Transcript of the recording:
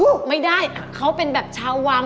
ไม่ได้เขาเป็นแบบชาววัง